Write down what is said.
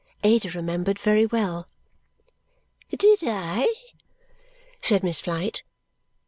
Ada remembered very well. "Did I?" said Miss Flite.